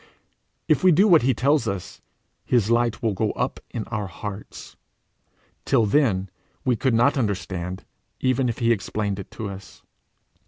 If we do what he tells us, his light will go up in our hearts. Till then we could not understand even if he explained to us.